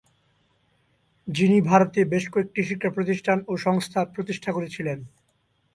যিনি ভারতে বেশ কয়েকটি শিক্ষা প্রতিষ্ঠান ও সংস্থা প্রতিষ্ঠা করেছিলেন।